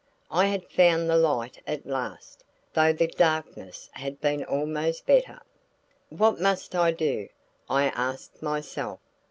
I had found the light at last though the darkness had been almost better. What must I do? I asked myself.